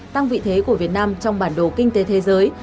tăng vị thế của việt nam trong bản đồ kinh tế thế giới